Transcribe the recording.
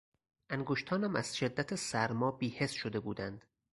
انگشتانم از شدت سرما بیحس شده بودند.